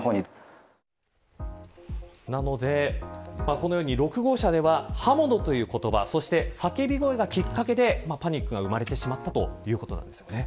このように６号車では刃物という言葉そして、叫び声がきっかけでパニックが生まれてしまったということです。